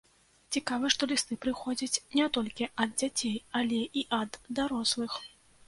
Цікава, што лісты прыходзяць не толькі ад дзяцей, але і ад дарослых!